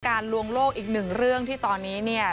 ลวงโลกอีกหนึ่งเรื่องที่ตอนนี้เนี่ย